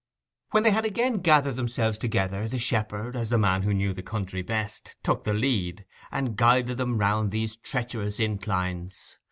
When they had again gathered themselves together, the shepherd, as the man who knew the country best, took the lead, and guided them round these treacherous inclines.